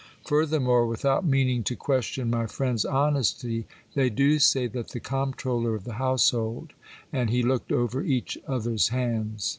Furthermore, without meaning to question my friend's honesty, they do say that the comptroller of the household and he looked over each other's hands.